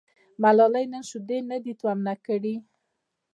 ملالۍ نن شیدې نه دي تونه کړي.